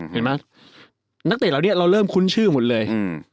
นักเตะเหล่านี้เราเริ่มคุ้นชื่อหมดเลย